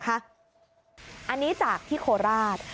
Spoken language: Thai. อันนี้จากที่โคราช